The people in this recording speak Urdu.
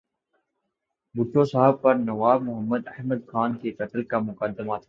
بھٹو صاحب پر نواب محمد احمد خان کے قتل کا مقدمہ تھا۔